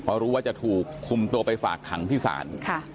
เพราะรู้ว่าจะถูกคุมตัวไปฝากขังที่ศาล